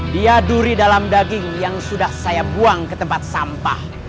dia duri dalam daging yang sudah saya buang ke tempat sampah